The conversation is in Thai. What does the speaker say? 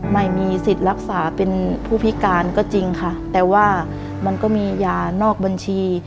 ไม่มีสิทธิ์รักษาเป็นผู้พิการก็จริงค่ะแต่ว่ามันก็มียานอกบัญชี